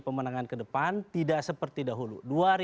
pemenangan kedepan tidak seperti dahulu